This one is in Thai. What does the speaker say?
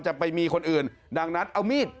ไปมีคนอื่นดังนั้นเอามีด